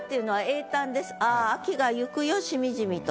「ああ秋が行くよしみじみと」